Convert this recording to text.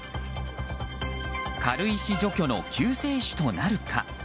軽石除去の救世主となるか。